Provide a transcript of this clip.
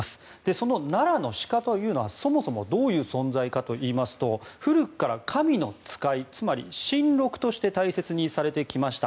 その奈良の鹿というのはどのような存在かというと古くから神の使いつまり神鹿として大切にされてきました。